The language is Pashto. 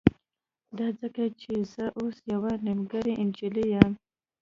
دا ځکه چې زه اوس يوه نيمګړې نجلۍ يم.